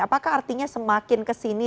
apakah artinya semakin kesini